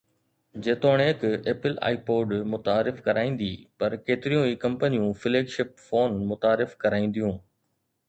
جيتوڻيڪ Apple iPod متعارف ڪرائيندي پر ڪيتريون ئي ڪمپنيون فليگ شپ فون متعارف ڪرائينديون